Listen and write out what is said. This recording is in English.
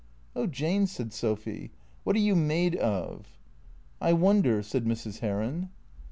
" Oh, Jane," said Sophy, " what are you made of ?"" I wonder " said Mrs. Heron.